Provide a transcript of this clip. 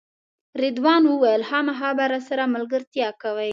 رضوان وویل خامخا به راسره ملګرتیا کوئ.